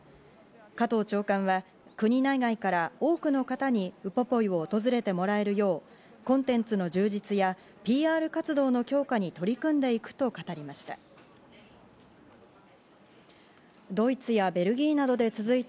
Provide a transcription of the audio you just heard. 加藤長官は国内外から多くの方にウポポイを訪れてもらえるようコンテンツの充実やＰＲ活動の強化に取り組んでいくと語りました。